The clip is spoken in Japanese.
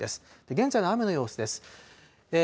現在の雨の様子です。